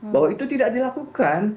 bahwa itu tidak dilakukan